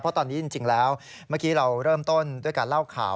เพราะตอนนี้จริงแล้วเมื่อกี้เราเริ่มต้นด้วยการเล่าข่าว